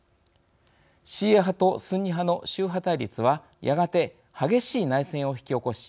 シーア派とスンニ派の宗派対立はやがて激しい内戦を引き起こし